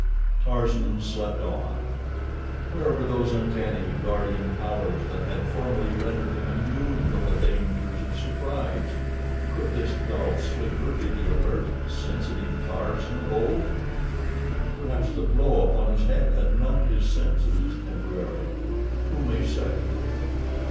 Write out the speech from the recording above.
Tarzan slept on. Where were those uncanny, guardian powers that had formerly rendered him immune from the dangers of surprise? Could this dull sleeper be the alert, sensitive Tarzan of old? Perhaps the blow upon his head had numbed his senses, temporarily—who may say?